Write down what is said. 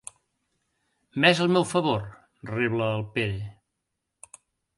Més al meu favor! —rebla el Pere—.